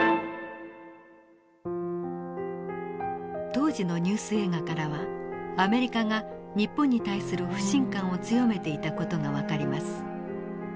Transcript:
当時のニュース映画からはアメリカが日本に対する不信感を強めていた事が分かります。